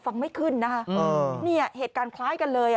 ฟังไม่ขึ้นนะคะนี่เหตุการณ์คล้ายกันเลย